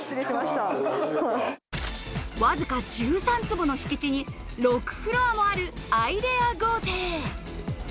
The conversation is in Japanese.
わずか１３坪の敷地に６フロアもあるアイデア豪邸。